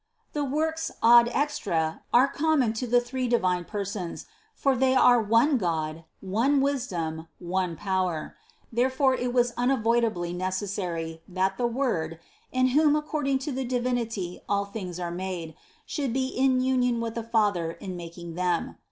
The works ad extra are common to the three divine Persons, for They are one God, one wisdom, one power; therefore it was un avoidably necessary, that the Word, in whom according to the Divinity all things are made, should be in union with the Father in making them.